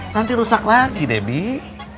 nanti rusak lagi debbie